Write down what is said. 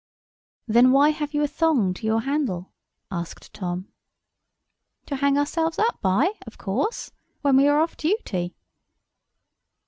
"Then why have you a thong to your handle?" asked Tom. "To hang ourselves up by, of course, when we are off duty."